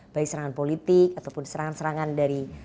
baik serangan politik ataupun serangan serangan dari